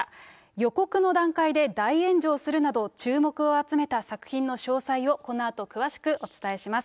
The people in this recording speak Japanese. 予告の段階で大炎上するなど、注目を集めた作品の詳細をこのあと、詳しくお伝えします。